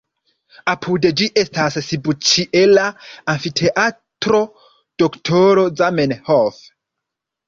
Apud ĝi estas subĉiela amfiteatro Doktoro Zamenhof.